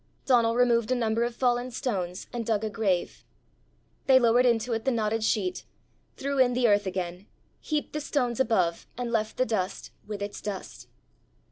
Donal removed a number of fallen stones and dug a grave. They lowered into it the knotted sheet, threw in the earth again, heaped the stones above, and left the dust with its dust.